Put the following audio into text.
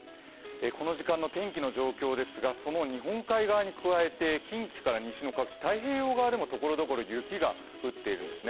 この時間の天気の状況ですが日本海側に加えて、近畿から西の各地太平洋側でもところどころ雪が降っているんですね。